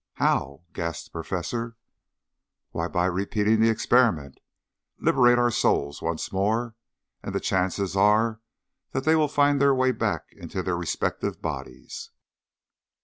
"How?" gasped the Professor. "Why, by repeating the experiment. Liberate our souls once more, and the chances are that they will find their way back into their respective bodies."